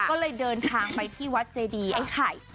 ก็เลยเดินทางไปที่วัดเจดีไอ้ไข่